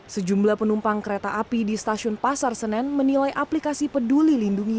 sejumlah penumpang kereta api di stasiun pasar senen menilai aplikasi peduli lindungi